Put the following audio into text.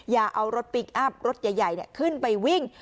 อย่าเอารถพลิกอัพรถใหญ่ขึ้นไปวิ่ง